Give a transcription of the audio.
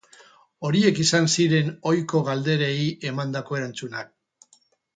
Horiek izan ziren ohiko galderei emandako erantzunak.